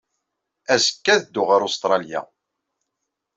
Azekka, ad dduɣ ɣer Ustṛalya.